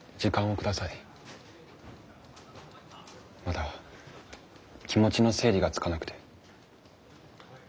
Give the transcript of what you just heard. まだ気持ちの整理がつかなくて。